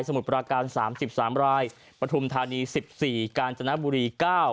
สมุดปราการ๓๓รายปฐุมธานี๑๔